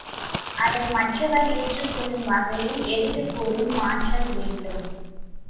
அதை மற்றவர் ஏற்றுக்கொள்ளும் வகையில் எடுத்துக்கூறும் ஆற்றல் வேண்டும்.